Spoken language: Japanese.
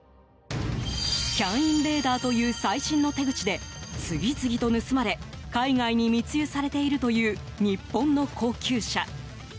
ＣＡＮインベーダーという最新の手口で次々と盗まれ海外に密輸されているという日本の高級車。